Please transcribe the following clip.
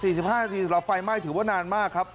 ๔๕นาทีแล้วไฟไหม้ถือว่านานมากครับ